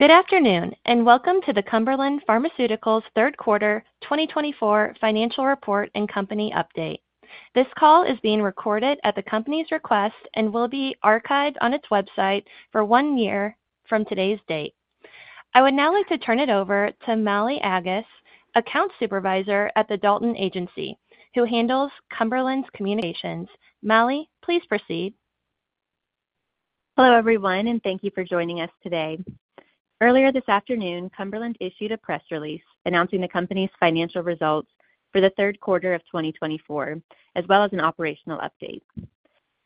Good afternoon and welcome to the Cumberland Pharmaceuticals' Third Quarter 2024 Financial Report and Company Update. This call is being recorded at the company's request and will be archived on its website for one year from today's date. I would now like to turn it over to Molly Aggas, Accounts Supervisor at the Dalton Agency, who handles Cumberland's communications. Molly, please proceed. Hello everyone, and thank you for joining us today. Earlier this afternoon, Cumberland issued a press release announcing the company's financial results for the third quarter of 2024, as well as an operational update.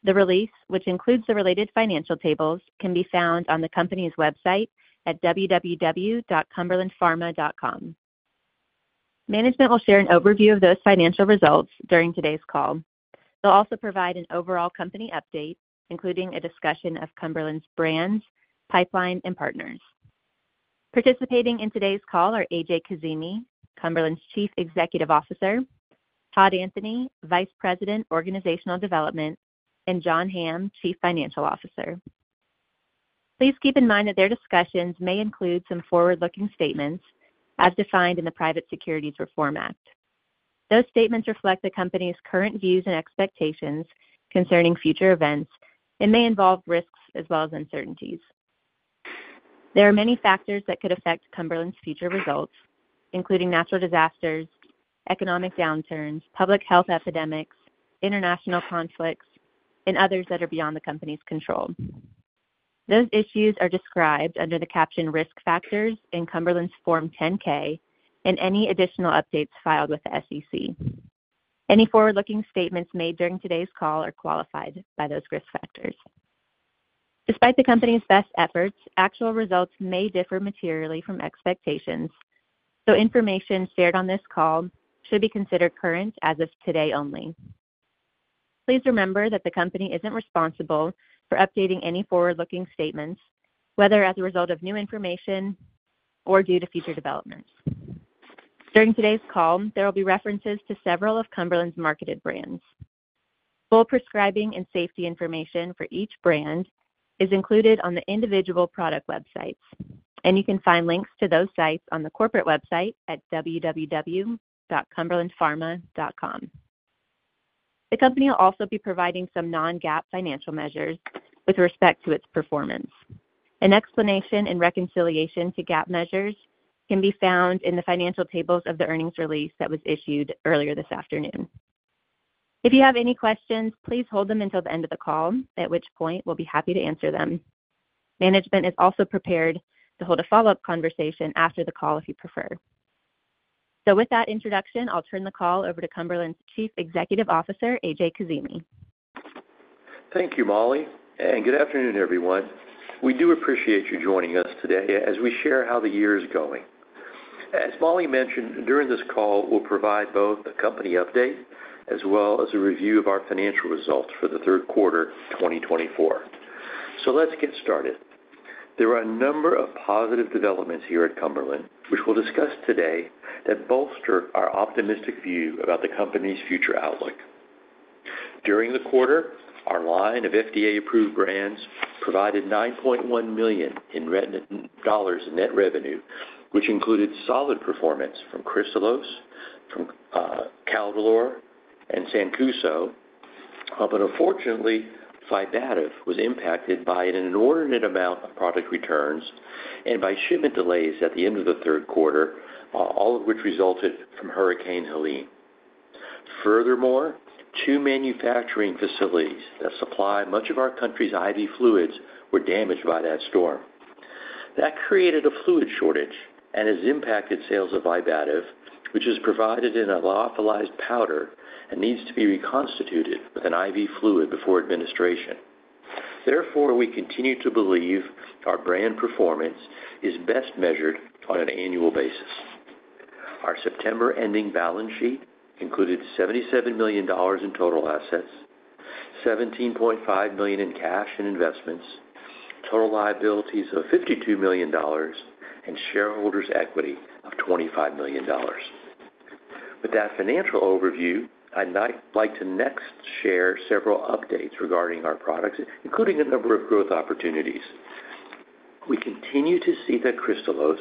The release, which includes the related financial tables, can be found on the company's website at www.cumberlandpharma.com. Management will share an overview of those financial results during today's call. They'll also provide an overall company update, including a discussion of Cumberland's brands, pipeline, and partners. Participating in today's call are A.J. Kazimi, Cumberland's Chief Executive Officer; Todd Anthony, Vice President, Organizational Development; and John Hamm, Chief Financial Officer. Please keep in mind that their discussions may include some forward-looking statements, as defined in the Private Securities Litigation Reform Act. Those statements reflect the company's current views and expectations concerning future events and may involve risks as well as uncertainties. There are many factors that could affect Cumberland's future results, including natural disasters, economic downturns, public health epidemics, international conflicts, and others that are beyond the company's control. Those issues are described under the captioned risk factors in Cumberland's Form 10-K and any additional updates filed with the SEC. Any forward-looking statements made during today's call are qualified by those risk factors. Despite the company's best efforts, actual results may differ materially from expectations, so information shared on this call should be considered current as of today only. Please remember that the company isn't responsible for updating any forward-looking statements, whether as a result of new information or due to future developments. During today's call, there will be references to several of Cumberland's marketed brands. Full prescribing and safety information for each brand is included on the individual product websites, and you can find links to those sites on the corporate website at www.cumberlandpharma.com. The company will also be providing some non-GAAP financial measures with respect to its performance. An explanation and reconciliation to GAAP measures can be found in the financial tables of the earnings release that was issued earlier this afternoon. If you have any questions, please hold them until the end of the call, at which point we'll be happy to answer them. Management is also prepared to hold a follow-up conversation after the call if you prefer. So with that introduction, I'll turn the call over to Cumberland's Chief Executive Officer, A.J. Kazimi. Thank you, Mallie, and good afternoon, everyone. We do appreciate you joining us today as we share how the year is going. As Mallie mentioned, during this call, we'll provide both a company update as well as a review of our financial results for the third quarter 2024. So let's get started. There are a number of positive developments here at Cumberland, which we'll discuss today that bolster our optimistic view about the company's future outlook. During the quarter, our line of FDA-approved brands provided $9.1 million in net revenue, which included solid performance from Kristalose, from Caldolor, and Sancuso, but unfortunately, Vibativ was impacted by an inordinate amount of product returns and by shipment delays at the end of the third quarter, all of which resulted from Hurricane Helene. Furthermore, two manufacturing facilities that supply much of our country's IV fluids were damaged by that storm. That created a fluid shortage and has impacted sales of Vibativ, which is provided in a lyophilized powder and needs to be reconstituted with an IV fluid before administration. Therefore, we continue to believe our brand performance is best measured on an annual basis. Our September-ending balance sheet included $77 million in total assets, $17.5 million in cash and investments, total liabilities of $52 million, and shareholders' equity of $25 million. With that financial overview, I'd like to next share several updates regarding our products, including a number of growth opportunities. We continue to see that Kristalose,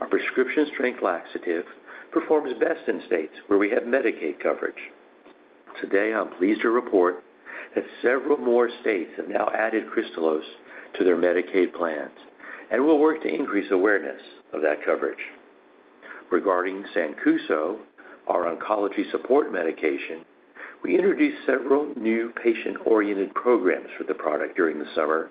our prescription-strength laxative, performs best in states where we have Medicaid coverage. Today, I'm pleased to report that several more states have now added Kristalose to their Medicaid plans and will work to increase awareness of that coverage. Regarding Sancuso, our oncology support medication, we introduced several new patient-oriented programs for the product during the summer,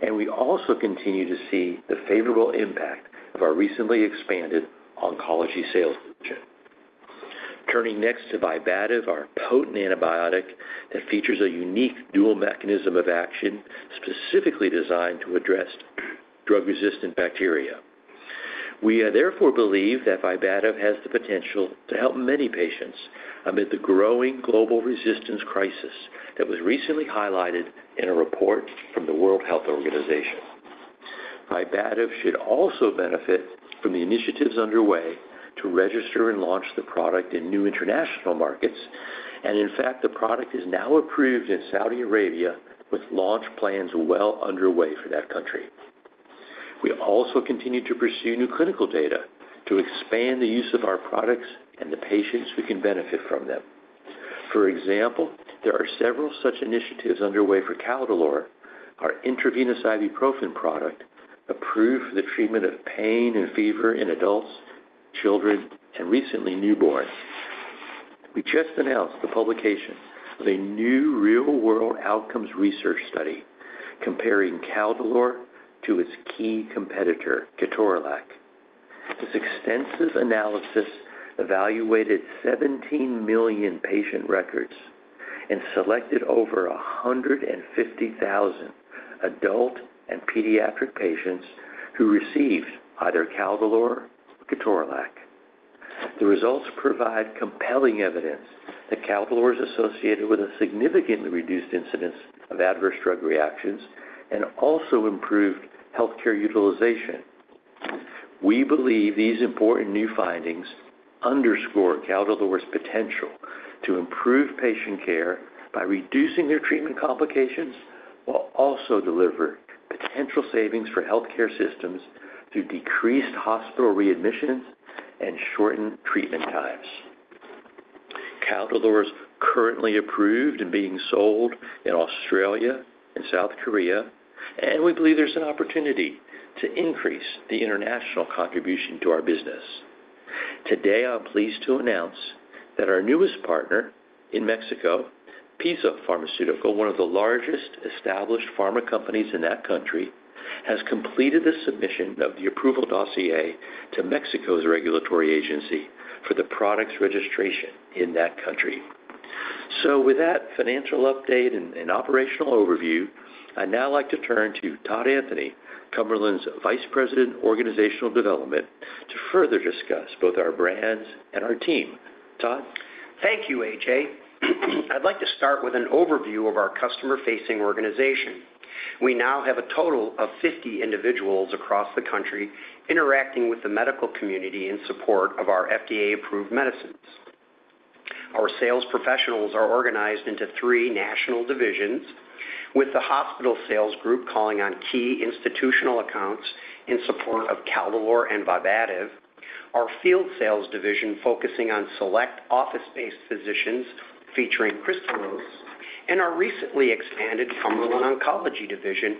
and we also continue to see the favorable impact of our recently expanded oncology sales position. Turning next to Vibativ, our potent antibiotic that features a unique dual mechanism of action specifically designed to address drug-resistant bacteria. We therefore believe that Vibativ has the potential to help many patients amid the growing global resistance crisis that was recently highlighted in a report from the World Health Organization. Vibativ should also benefit from the initiatives underway to register and launch the product in new international markets, and in fact, the product is now approved in Saudi Arabia, with launch plans well underway for that country. We also continue to pursue new clinical data to expand the use of our products and the patients who can benefit from them. For example, there are several such initiatives underway for Caldolor, our intravenous ibuprofen product approved for the treatment of pain and fever in adults, children, and recently newborns. We just announced the publication of a new real-world outcomes research study comparing Caldolor to its key competitor, Ketorolac. This extensive analysis evaluated 17 million patient records and selected over 150,000 adult and pediatric patients who received either Caldolor or Ketorolac. The results provide compelling evidence that Caldolor is associated with a significantly reduced incidence of adverse drug reactions and also improved healthcare utilization. We believe these important new findings underscore Caldolor’s potential to improve patient care by reducing their treatment complications while also delivering potential savings for healthcare systems through decreased hospital readmissions and shortened treatment times. Caldolor is currently approved and being sold in Australia and South Korea, and we believe there's an opportunity to increase the international contribution to our business. Today, I'm pleased to announce that our newest partner in Mexico, PiSA Farmacéutica, one of the largest established pharma companies in that country, has completed the submission of the approval dossier to Mexico's regulatory agency for the product's registration in that country. So with that financial update and operational overview, I'd now like to turn to Todd Anthony, Cumberland's Vice President, Organizational Development, to further discuss both our brands and our team. Todd? Thank you, A.J. I'd like to start with an overview of our customer-facing organization. We now have a total of 50 individuals across the country interacting with the medical community in support of our FDA-approved medicines. Our sales professionals are organized into three national divisions, with the hospital sales group calling on key institutional accounts in support of Caldolor and Vibativ, our field sales division focusing on select office-based physicians featuring Kristalose, and our recently expanded Cumberland Oncology Division,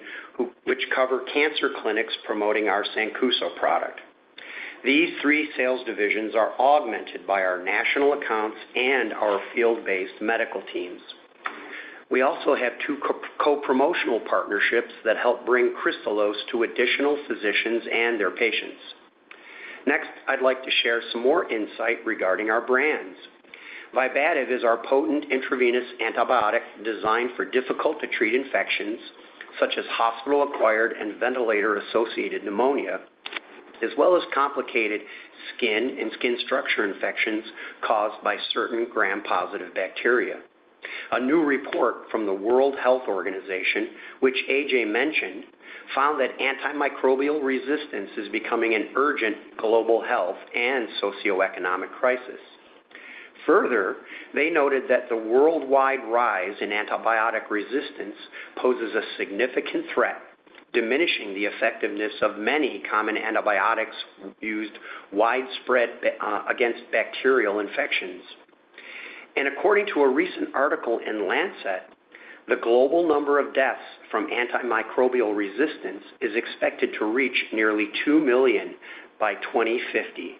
which covers cancer clinics promoting our Sancuso product. These three sales divisions are augmented by our national accounts and our field-based medical teams. We also have two co-promotional partnerships that help bring Kristalose to additional physicians and their patients. Next, I'd like to share some more insight regarding our brands. Vibativ is our potent intravenous antibiotic designed for difficult-to-treat infections such as hospital-acquired and ventilator-associated pneumonia, as well as complicated skin and skin structure infections caused by certain Gram-positive bacteria. A new report from the World Health Organization, which A.J. mentioned, found that antimicrobial resistance is becoming an urgent global health and socioeconomic crisis. Further, they noted that the worldwide rise in antibiotic resistance poses a significant threat, diminishing the effectiveness of many common antibiotics used widespread against bacterial infections, and according to a recent article in The Lancet, the global number of deaths from antimicrobial resistance is expected to reach nearly 2 million by 2050.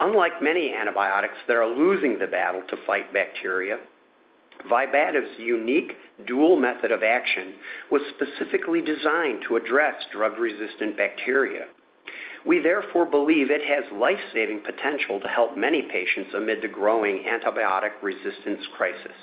Unlike many antibiotics that are losing the battle to fight bacteria, Vibativ's unique dual method of action was specifically designed to address drug-resistant bacteria. We therefore believe it has life-saving potential to help many patients amid the growing antibiotic resistance crisis.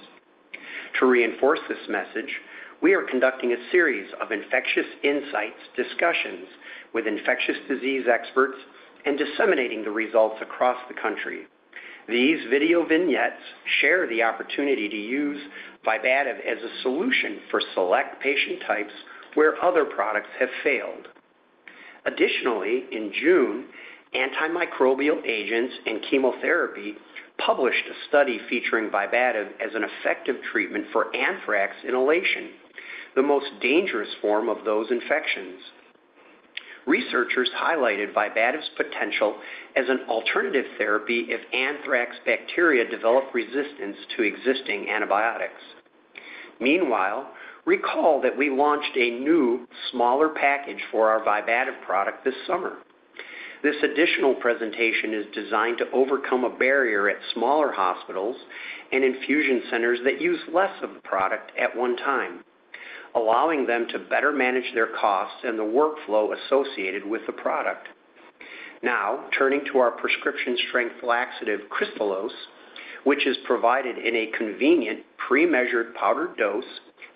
To reinforce this message, we are conducting a series of Infectious Insights discussions with infectious disease experts and disseminating the results across the country. These video vignettes share the opportunity to use Vibativ as a solution for select patient types where other products have failed. Additionally, in June, Antimicrobial Agents and Chemotherapy published a study featuring Vibativ as an effective treatment for anthrax inhalation, the most dangerous form of those infections. Researchers highlighted Vibativ's potential as an alternative therapy if anthrax bacteria develop resistance to existing antibiotics. Meanwhile, recall that we launched a new, smaller package for our Vibativ product this summer. This additional presentation is designed to overcome a barrier at smaller hospitals and infusion centers that use less of the product at one time, allowing them to better manage their costs and the workflow associated with the product. Now, turning to our prescription-strength laxative Kristalose, which is provided in a convenient, pre-measured powdered dose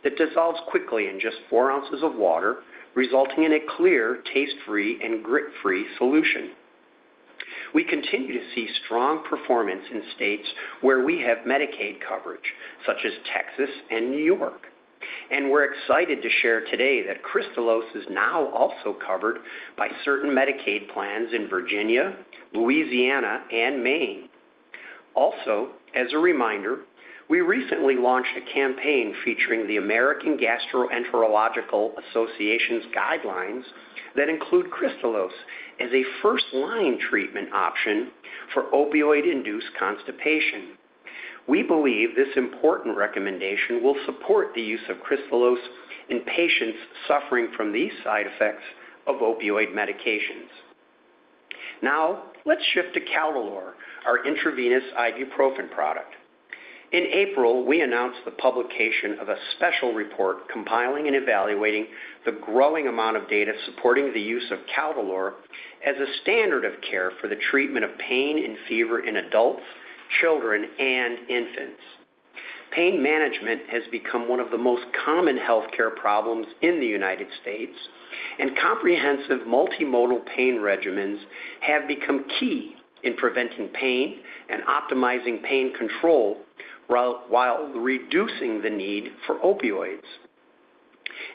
that dissolves quickly in just 4 ounces of water, resulting in a clear, taste-free, and grit-free solution. We continue to see strong performance in states where we have Medicaid coverage, such as Texas and New York, and we're excited to share today that Kristalose is now also covered by certain Medicaid plans in Virginia, Louisiana, and Maine. Also, as a reminder, we recently launched a campaign featuring the American Gastroenterological Association's guidelines that include Kristalose as a first-line treatment option for opioid-induced constipation. We believe this important recommendation will support the use of Kristalose in patients suffering from these side effects of opioid medications. Now, let's shift to Caldolor, our intravenous ibuprofen product. In April, we announced the publication of a special report compiling and evaluating the growing amount of data supporting the use of Caldolor as a standard of care for the treatment of pain and fever in adults, children, and infants. Pain management has become one of the most common healthcare problems in the United States, and comprehensive multimodal pain regimens have become key in preventing pain and optimizing pain control while reducing the need for opioids.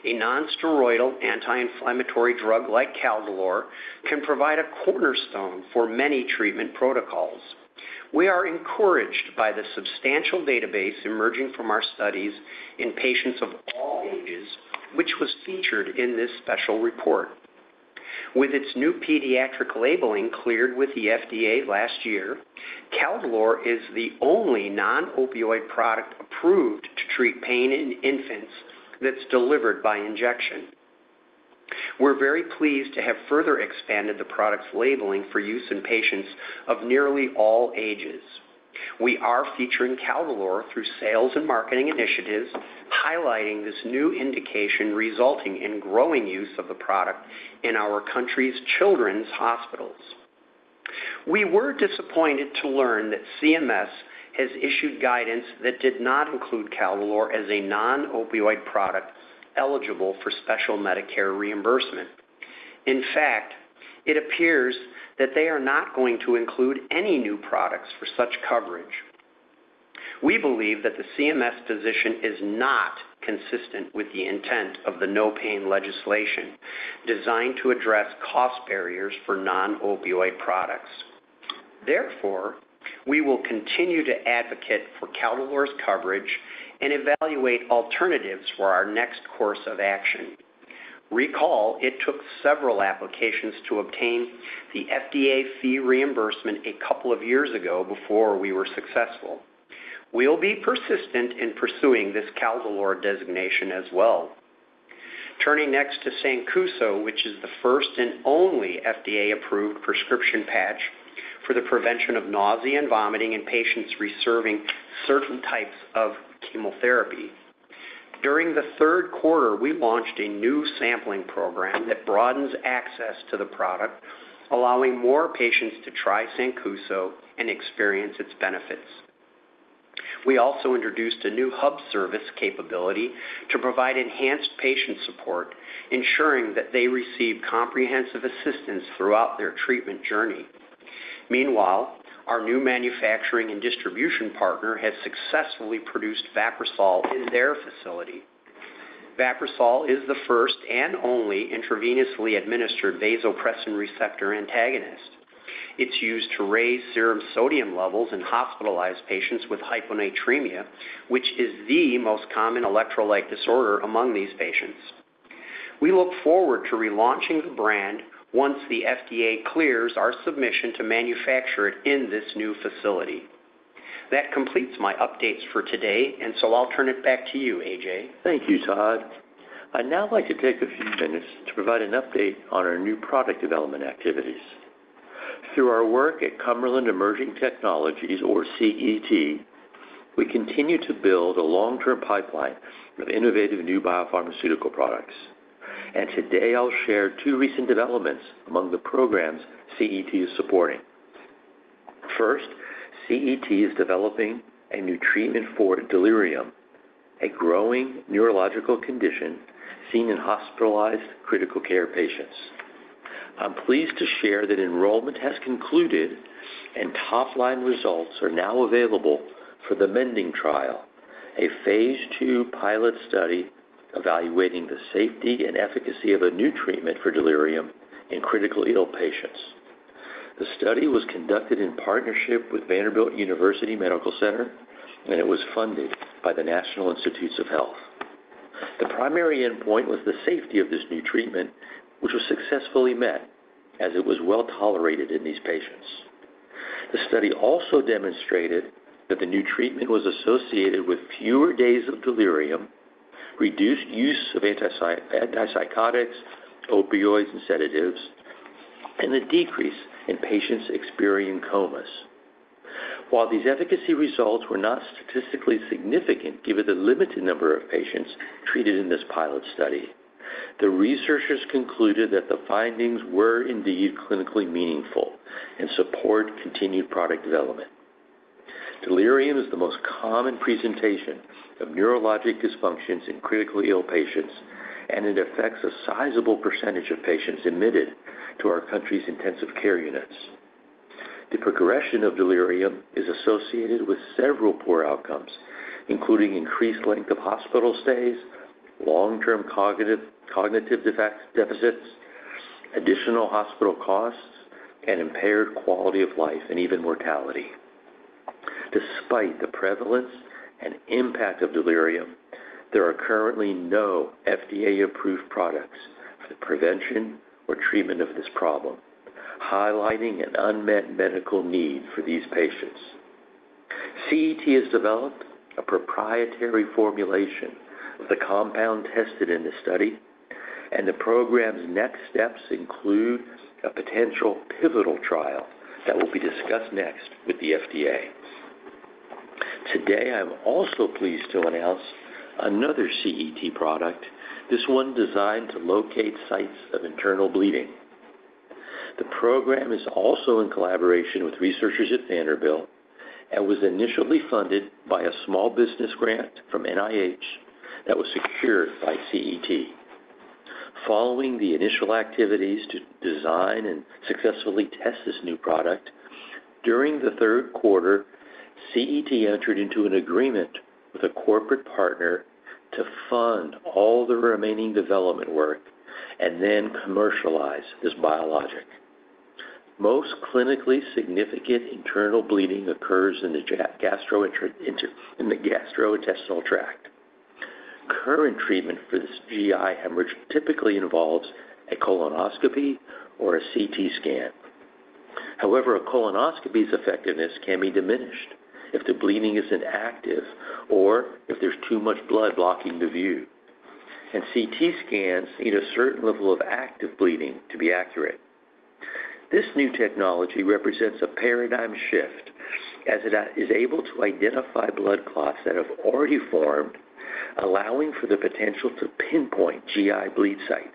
A nonsteroidal anti-inflammatory drug like Caldolor can provide a cornerstone for many treatment protocols. We are encouraged by the substantial database emerging from our studies in patients of all ages, which was featured in this special report. With its new pediatric labeling cleared with the FDA last year, Caldolor is the only non-opioid product approved to treat pain in infants that's delivered by injection. We're very pleased to have further expanded the product's labeling for use in patients of nearly all ages. We are featuring Caldolor through sales and marketing initiatives, highlighting this new indication resulting in growing use of the product in our country's children's hospitals. We were disappointed to learn that CMS has issued guidance that did not include Caldolor as a non-opioid product eligible for special Medicare reimbursement. In fact, it appears that they are not going to include any new products for such coverage. We believe that the CMS position is not consistent with the intent of the NOPAIN legislation designed to address cost barriers for non-opioid products. Therefore, we will continue to advocate for Caldolor's coverage and evaluate alternatives for our next course of action. Recall, it took several applications to obtain the FDA fee reimbursement a couple of years ago before we were successful. We'll be persistent in pursuing this Caldolor designation as well. Turning next to Sancuso, which is the first and only FDA-approved prescription patch for the prevention of nausea and vomiting in patients receiving certain types of chemotherapy. During the third quarter, we launched a new sampling program that broadens access to the product, allowing more patients to try Sancuso and experience its benefits. We also introduced a new hub service capability to provide enhanced patient support, ensuring that they receive comprehensive assistance throughout their treatment journey. Meanwhile, our new manufacturing and distribution partner has successfully produced Vaprisol in their facility. Vaprisol is the first and only intravenously administered vasopressin receptor antagonist. It's used to raise serum sodium levels in hospitalized patients with hyponatremia, which is the most common electrolyte disorder among these patients. We look forward to relaunching the brand once the FDA clears our submission to manufacture it in this new facility. That completes my updates for today, and so I'll turn it back to you, A.J. Thank you, Todd. I'd now like to take a few minutes to provide an update on our new product development activities. Through our work at Cumberland Emerging Technologies, or CET, we continue to build a long-term pipeline of innovative new biopharmaceutical products. And today, I'll share two recent developments among the programs CET is supporting. First, CET is developing a new treatment for delirium, a growing neurological condition seen in hospitalized critical care patients. I'm pleased to share that enrollment has concluded, and top-line results are now available for the MENDING trial a Phase II pilot study evaluating the safety and efficacy of a new treatment for delirium in critically ill patients. The study was conducted in partnership with Vanderbilt University Medical Center, and it was funded by the National Institutes of Health. The primary endpoint was the safety of this new treatment, which was successfully met as it was well tolerated in these patients. The study also demonstrated that the new treatment was associated with fewer days of delirium, reduced use of antipsychotics, opioids, and sedatives, and a decrease in patients experiencing comas. While these efficacy results were not statistically significant given the limited number of patients treated in this pilot study, the researchers concluded that the findings were indeed clinically meaningful and support continued product development. Delirium is the most common presentation of neurologic dysfunctions in critically ill patients, and it affects a sizable percentage of patients admitted to our country's intensive care units. The progression of delirium is associated with several poor outcomes, including increased length of hospital stays, long-term cognitive deficits, additional hospital costs, and impaired quality of life and even mortality. Despite the prevalence and impact of delirium, there are currently no FDA-approved products for the prevention or treatment of this problem, highlighting an unmet medical need for these patients. CET has developed a proprietary formulation of the compound tested in the study, and the program's next steps include a potential pivotal trial that will be discussed next with the FDA. Today, I'm also pleased to announce another CET product, this one designed to locate sites of internal bleeding. The program is also in collaboration with researchers at Vanderbilt and was initially funded by a small business grant from NIH that was secured by CET. Following the initial activities to design and successfully test this new product, during the third quarter, CET entered into an agreement with a corporate partner to fund all the remaining development work and then commercialize this biologic. Most clinically significant internal bleeding occurs in the gastrointestinal tract. Current treatment for this GI hemorrhage typically involves a colonoscopy or a CT scan. However, a colonoscopy's effectiveness can be diminished if the bleeding isn't active or if there's too much blood blocking the view, and CT scans need a certain level of active bleeding to be accurate. This new technology represents a paradigm shift as it is able to identify blood clots that have already formed, allowing for the potential to pinpoint GI bleed sites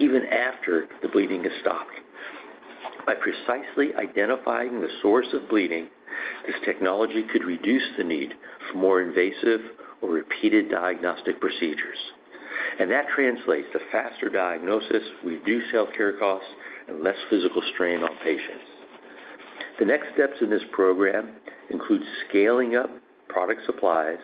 even after the bleeding has stopped. By precisely identifying the source of bleeding, this technology could reduce the need for more invasive or repeated diagnostic procedures, and that translates to faster diagnosis, reduced healthcare costs, and less physical strain on patients. The next steps in this program include scaling up product supplies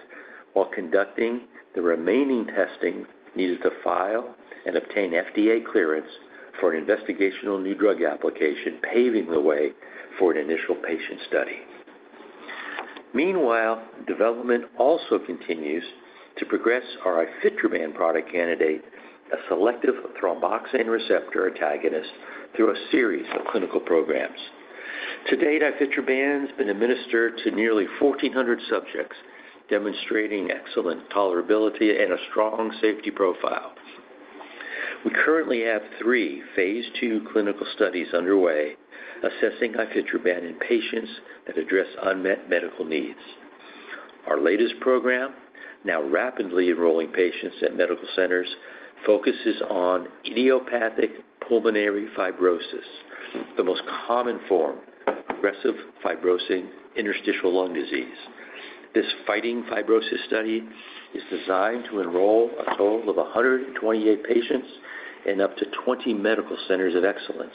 while conducting the remaining testing needed to file and obtain FDA clearance for an investigational new drug application, paving the way for an initial patient study. Meanwhile, development also continues to progress our Ifetroban product candidate, a selective thromboxane receptor antagonist, through a series of clinical programs. To date, Ifetroban has been administered to nearly 1,400 subjects, demonstrating excellent tolerability and a strong safety profile. We currently have three Phase II clinical studies underway assessing Ifetroban in patients that address unmet medical needs. Our latest program, now rapidly enrolling patients at medical centers, focuses on idiopathic pulmonary fibrosis, the most common form of progressive fibrosing interstitial lung disease. This Fighting Fibrosis study is designed to enroll a total of 128 patients in up to 20 medical centers of excellence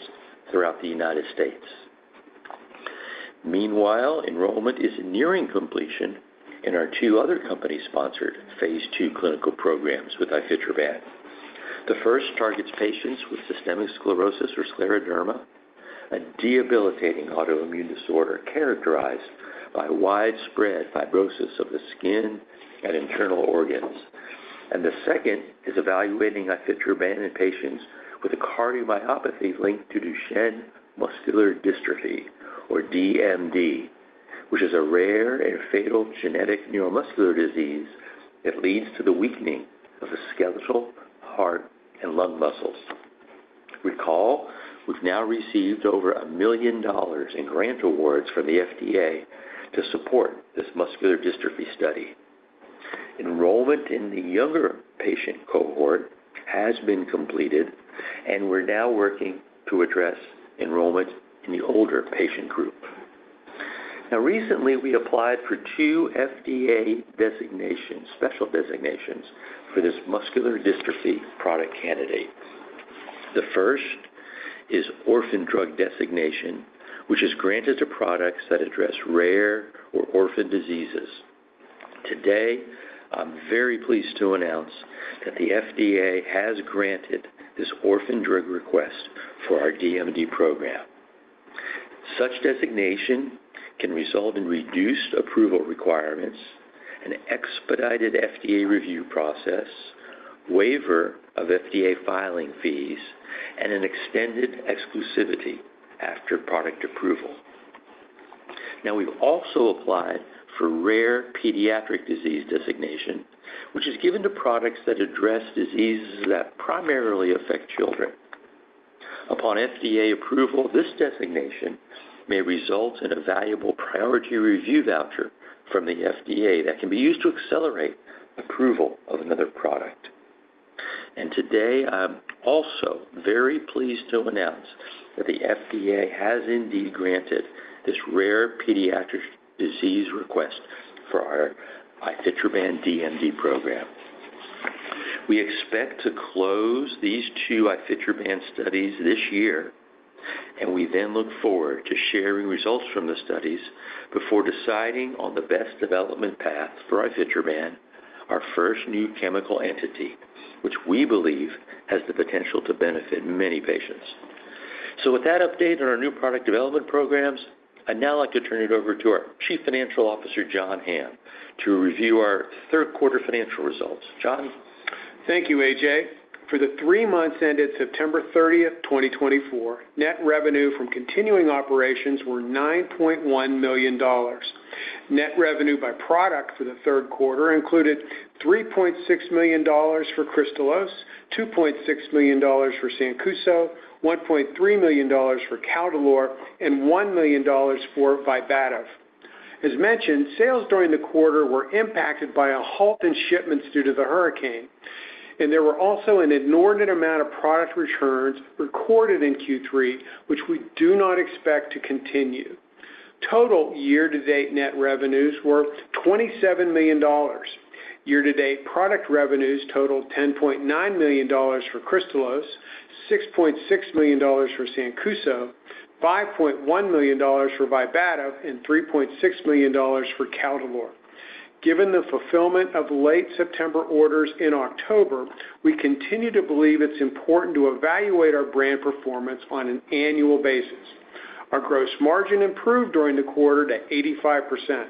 throughout the United States. Meanwhile, enrollment is nearing completion in our two other company-sponsored Phase II clinical programs with Ifetroban. The first targets patients with systemic sclerosis or scleroderma, a debilitating autoimmune disorder characterized by widespread fibrosis of the skin and internal organs, and the second is evaluating Ifetroban in patients with a cardiomyopathy linked to Duchenne muscular dystrophy, or DMD, which is a rare and fatal genetic neuromuscular disease that leads to the weakening of the skeletal, heart, and lung muscles. Recall, we've now received over $1 million in grant awards from the FDA to support this muscular dystrophy study. Enrollment in the younger patient cohort has been completed, and we're now working to address enrollment in the older patient group. Now, recently, we applied for two FDA designations, special designations for this muscular dystrophy product candidate. The first is orphan drug designation, which is granted to products that address rare or orphan diseases. Today, I'm very pleased to announce that the FDA has granted this orphan drug request for our DMD program. Such designation can result in reduced approval requirements, an expedited FDA review process, waiver of FDA filing fees, and an extended exclusivity after product approval. Now, we've also applied for rare pediatric disease designation, which is given to products that address diseases that primarily affect children. Upon FDA approval, this designation may result in a valuable priority review voucher from the FDA that can be used to accelerate approval of another product. And today, I'm also very pleased to announce that the FDA has indeed granted this rare pediatric disease request for our Ifetroban DMD program. We expect to close these two Ifetroban studies this year, and we then look forward to sharing results from the studies before deciding on the best development path for Ifetroban, our first new chemical entity, which we believe has the potential to benefit many patients. So with that update on our new product development programs, I'd now like to turn it over to our Chief Financial Officer, John Hamm, to review our third quarter financial results. John. Thank you, A.J. For the three months ended September 30th, 2024, net revenue from continuing operations were $9.1 million. Net revenue by product for the third quarter included $3.6 million for Kristalose, $2.6 million for Sancuso, $1.3 million for Caldolor, and $1 million for Vibativ. As mentioned, sales during the quarter were impacted by a halt in shipments due to the hurricane, and there were also an inordinate amount of product returns recorded in Q3, which we do not expect to continue. Total year-to-date net revenues were $27 million. Year-to-date product revenues totaled $10.9 million for Kristalose, $6.6 million for Sancuso, $5.1 million for Vibativ, and $3.6 million for Caldolor. Given the fulfillment of late September orders in October, we continue to believe it's important to evaluate our brand performance on an annual basis. Our gross margin improved during the quarter to 85%.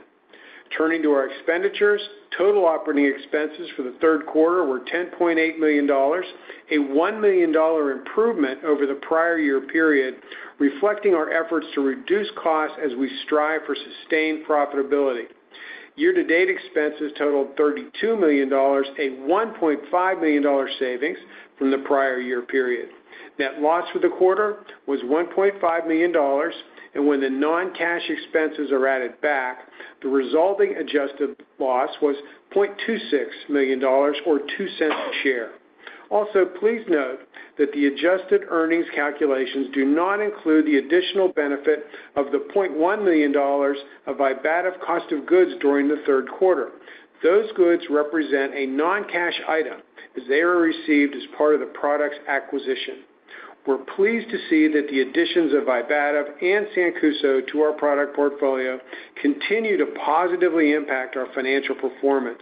Turning to our expenditures, total operating expenses for the third quarter were $10.8 million, a $1 million improvement over the prior year period, reflecting our efforts to reduce costs as we strive for sustained profitability. Year-to-date expenses totaled $32 million, a $1.5 million savings from the prior year period. Net loss for the quarter was $1.5 million, and when the non-cash expenses are added back, the resulting adjusted loss was $0.26 million, or $0.02 a share. Also, please note that the adjusted earnings calculations do not include the additional benefit of the $0.1 million of Vibativ cost of goods during the third quarter. Those goods represent a non-cash item as they were received as part of the product's acquisition. We're pleased to see that the additions of Vibativ and Sancuso to our product portfolio continue to positively impact our financial performance.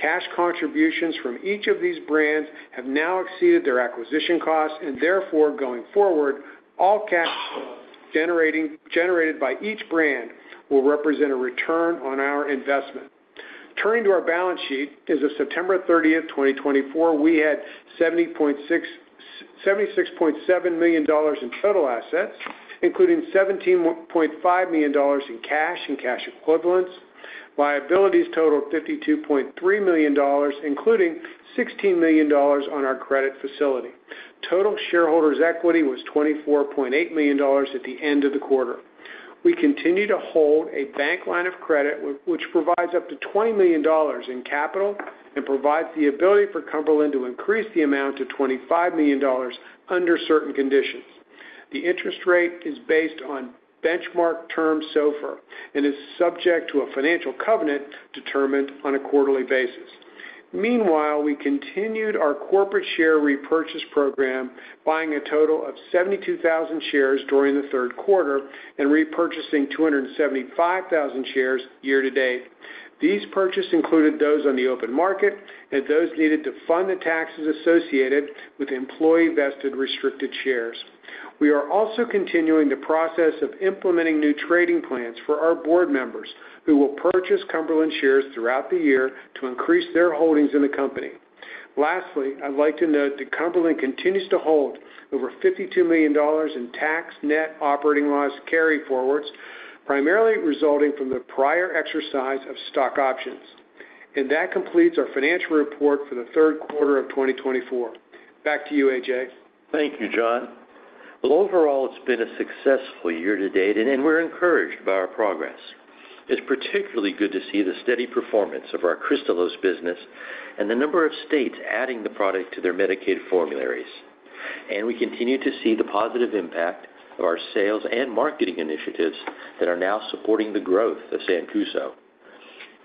Cash contributions from each of these brands have now exceeded their acquisition costs, and therefore, going forward, all cash generated by each brand will represent a return on our investment. Turning to our balance sheet, as of September 30th, 2024, we had $76.7 million in total assets, including $17.5 million in cash and cash equivalents. Liabilities totaled $52.3 million, including $16 million on our credit facility. Total shareholders' equity was $24.8 million at the end of the quarter. We continue to hold a bank line of credit, which provides up to $20 million in capital and provides the ability for Cumberland to increase the amount to $25 million under certain conditions. The interest rate is based on the benchmark term SOFR and is subject to a financial covenant determined on a quarterly basis. Meanwhile, we continued our corporate share repurchase program, buying a total of 72,000 shares during the third quarter and repurchasing 275,000 shares year-to-date. These purchases included those on the open market and those needed to fund the taxes associated with employee vested restricted shares. We are also continuing the process of implementing new trading plans for our board members, who will purchase Cumberland shares throughout the year to increase their holdings in the company. Lastly, I'd like to note that Cumberland continues to hold over $52 million in tax net operating loss carry forwards, primarily resulting from the prior exercise of stock options. And that completes our financial report for the third quarter of 2024. Back to you, A.J. Thank you, John. Overall, it's been a successful year to date, and we're encouraged by our progress. It's particularly good to see the steady performance of our Kristalose business and the number of states adding the product to their Medicaid formularies. We continue to see the positive impact of our sales and marketing initiatives that are now supporting the growth of Sancuso.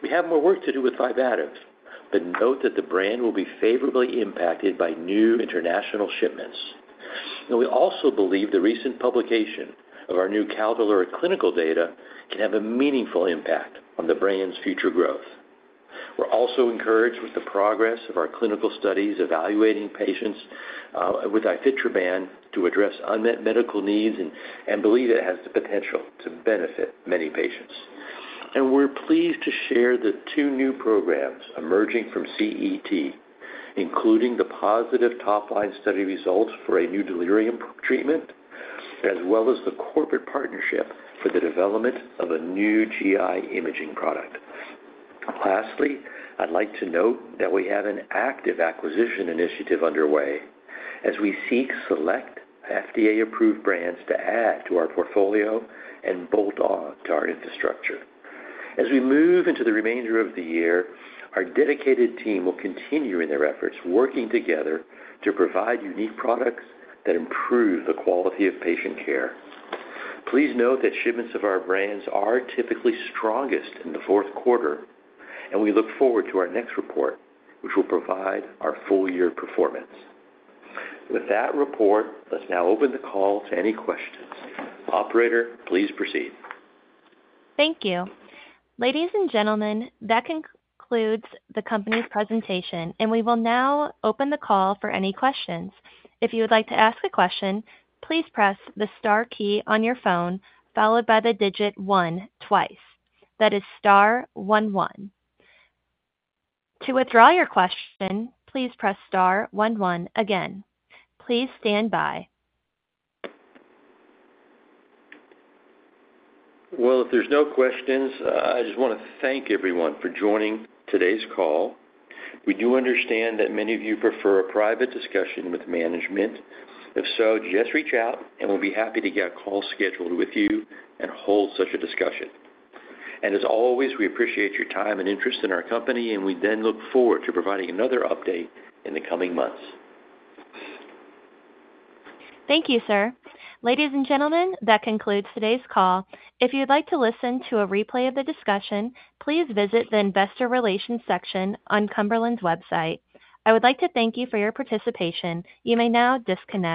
We have more work to do with Vibativ, but note that the brand will be favorably impacted by new international shipments. We also believe the recent publication of our new Caldolor clinical data can have a meaningful impact on the brand's future growth. We're also encouraged with the progress of our clinical studies evaluating patients with Ifetroban to address unmet medical needs and believe it has the potential to benefit many patients. And we're pleased to share the two new programs emerging from CET, including the positive top-line study results for a new delirium treatment, as well as the corporate partnership for the development of a new GI imaging product. Lastly, I'd like to note that we have an active acquisition initiative underway as we seek select FDA-approved brands to add to our portfolio and bolt on to our infrastructure. As we move into the remainder of the year, our dedicated team will continue in their efforts, working together to provide unique products that improve the quality of patient care. Please note that shipments of our brands are typically strongest in the fourth quarter, and we look forward to our next report, which will provide our full-year performance. With that report, let's now open the call to any questions. Operator, please proceed. Thank you. Ladies and gentlemen, that concludes the company's presentation, and we will now open the call for any questions. If you would like to ask a question, please press the star key on your phone, followed by the digit one twice. That is star one one. To withdraw your question, please press star one one again. Please stand by. If there's no questions, I just want to thank everyone for joining today's call. We do understand that many of you prefer a private discussion with management. If so, just reach out, and we'll be happy to get a call scheduled with you and hold such a discussion. As always, we appreciate your time and interest in our company, and we then look forward to providing another update in the coming months. Thank you, sir. Ladies and gentlemen, that concludes today's call. If you'd like to listen to a replay of the discussion, please visit the investor relations section on Cumberland's website. I would like to thank you for your participation. You may now disconnect.